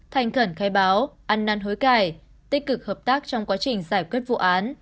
thành khẩn khai báo ăn năn hối cải tích cực hợp tác trong quá trình giải quyết vụ án